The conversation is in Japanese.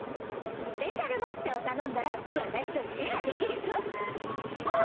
スペシャル抹茶を頼んだら私とシェアできるぞああ